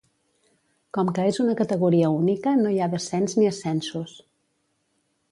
Com que és una categoria única no hi ha descens ni ascensos.